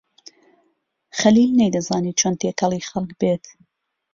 خەلیل نەیدەزانی چۆن تێکەڵی خەڵک بێت.